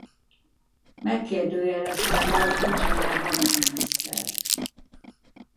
Megkérdőjelezte Lord Kitchener hadügyminisztert.